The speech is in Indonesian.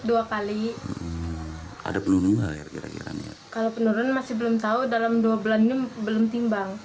menurut dua kali ada belum air kira kira kalau penurun masih belum tahu dalam dua bulan belum